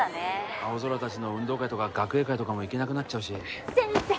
青空達の運動会とか学芸会とかも行けなくなっちゃうし先生